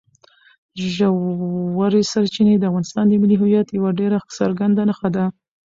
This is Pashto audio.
ژورې سرچینې د افغانستان د ملي هویت یوه ډېره څرګنده نښه ده.